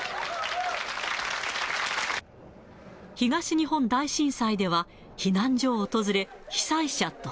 東日本大震災では、避難所を訪れ、被災者と。